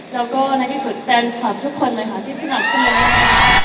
แล้วก็ในที่สุดแฟนพลับทุกคนเลยค่ะที่สนับสนุนมาริยาค่ะ